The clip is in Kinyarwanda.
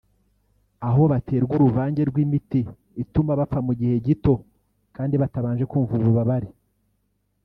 aho baterwa uruvange rw’imiti ituma bapfa mu gihe gito kandi batabanje kumva ububabare